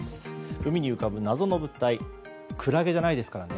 海に浮かぶ謎の物体クラゲじゃないですからね。